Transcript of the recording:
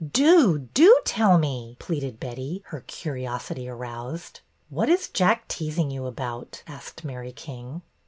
'' Do, do tell me," pleaded Betty, her curiosity aroused. ''What is Jack teasing you about?" asked Mary King.